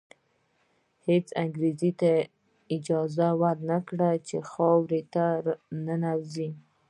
هېڅ انګریز ته اجازه ور نه کړي چې خاورې ته ننوځي.